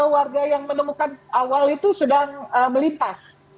warga yang menemukan awal itu sedang melintas